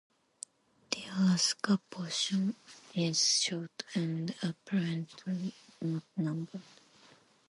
The Alaska portion is short and apparently not numbered.